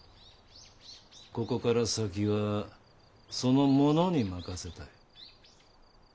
ここから先はその者に任せたい。